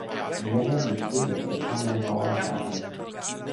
jelo li kule pi pona nanpa wan tawa mi.